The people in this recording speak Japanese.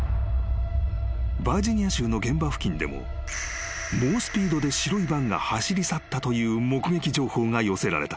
［バージニア州の現場付近でも猛スピードで白いバンが走り去ったという目撃情報が寄せられた］